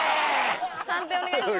判定お願いします。